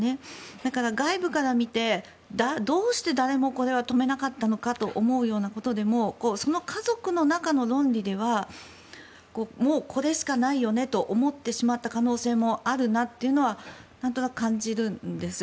だから外部から見てどうして誰もこれは止めなかったのかと思うようなことでもその家族の中の論理ではもうこれしかないよねと思ってしまった可能性もあるなというのはなんとなく感じるんです。